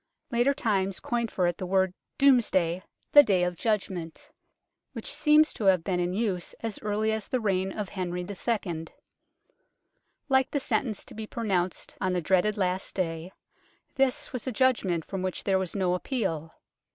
Later times coined for it the word Domes day " the Day of Judgment " which seems to have been in use as early as the reign of Henry II. Like the sentence to be pronounced on the dreaded Last Day, this was a judgment from which there was no appeal.